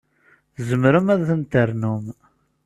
Tzemrem ad ten-ternum.